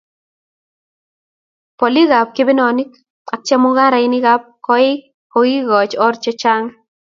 Bolikap kebenonik ak chemungaraekab koik kokikoch or chechang